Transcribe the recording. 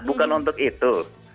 bukan untuk itu